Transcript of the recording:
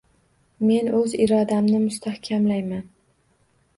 Men o‘z irodamni mustahkamlayman